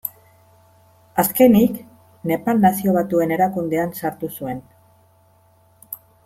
Azkenik Nepal Nazio Batuen Erakundean sartu zuen.